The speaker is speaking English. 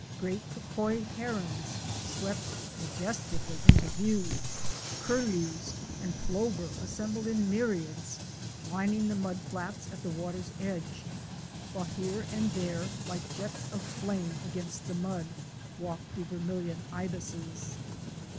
Great Cocoi Herons *' swept majestically into view; Curlews and Plover * assembled in myriads, lining the mud flats at the water's edge, while here and there, like jets of flame against the mud, walked the vermilion Ibises.